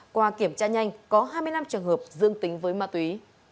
qua kiểm tra nhanh có hai mươi năm trường hợp dương tính với ma túy